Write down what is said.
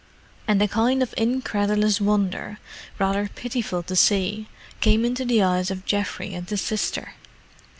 and a kind of incredulous wonder, rather pitiful to see, came into the eyes of Geoffrey and his sister.